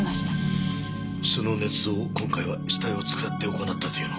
その捏造を今回は死体を使って行ったというのか？